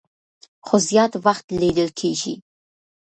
خو زيات وخت ليدل کيږي